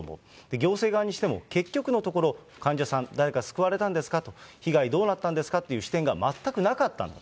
行政側にしても、結局のところ、患者さん、誰か救われたんですかと、被害どうなったんですかという視点が全くなかったんだと。